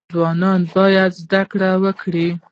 ځوانان باید زده کړه وکړي